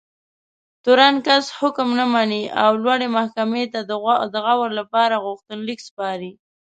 تورن کس حکم نه مني او لوړې محکمې ته د غور لپاره غوښتنلیک سپاري.